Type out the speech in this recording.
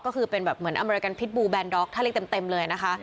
ก็คือเป็นแบบเหมือนอเมริกันพิษบูแนนด็อกถ้าเรียกเต็มเลยนะคะ